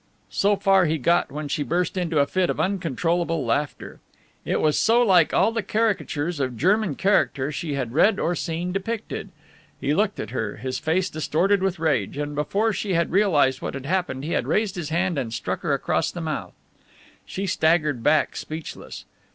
So far he got when she burst into a fit of uncontrollable laughter. It was so like all the caricatures of German character she had read or seen depicted. He looked at her, his face distorted with rage, and before she had realized what had happened he had raised his hand and struck her across the mouth. She staggered back, speechless.